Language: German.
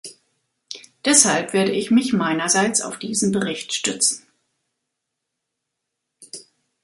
Deshalb werde ich mich meinerseits auf diesen Bericht stützen.